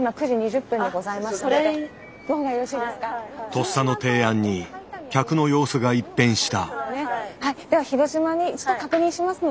とっさの提案に客の様子が一変した。